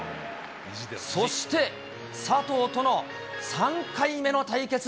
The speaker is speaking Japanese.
そして、佐藤との３回目の対決。